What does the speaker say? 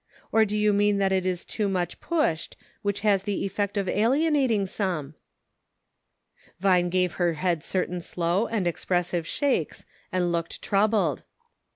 * Or do you mean that it is too much pushed ; which has the effect of alienating some .*" Vine gave her head certain slow and expressive shakes, and looked troubled. 260 , "IN HIS NAME."